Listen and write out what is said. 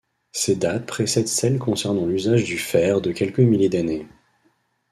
Ces dates précèdent celles concernant l'usage du fer de quelques milliers d'années.